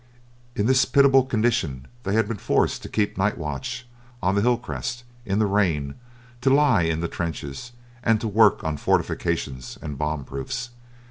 In this pitiable condition they had been forced to keep night watch on the hill crests, in the rain, to lie in the trenches, and to work on fortifications and bomb proofs.